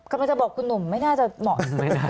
กำลังจะบอกคุณหนุ่มไม่น่าจะเหมาะ